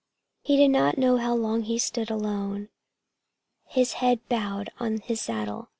He did not know how long he stood alone, his head bowed on his saddle.